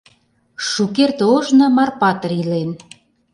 Шукерте ожно Мар-Патыр илен.